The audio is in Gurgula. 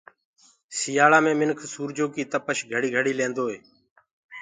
سيآݪآ مي منک سورجو ڪي تپش گھڙي گھڙي ليندوئي۔